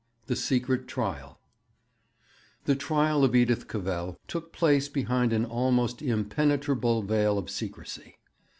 V THE SECRET TRIAL The trial of Edith Cavell took place behind an almost impenetrable veil of secrecy.